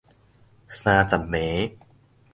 三十暝